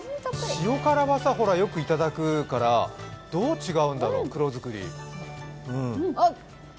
塩辛はよくいただくからどう違うんだろう、黒作り。